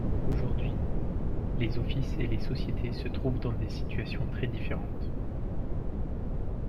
Aujourd’hui, les offices et les sociétés se trouvent dans des situations très différentes.